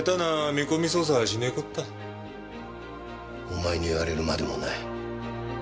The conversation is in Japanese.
お前に言われるまでもない。